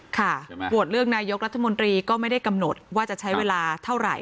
โหวตเลือกนายกรัฐมนตรีก็ไม่ได้กำหนดว่าจะใช้เวลาเท่าไหร่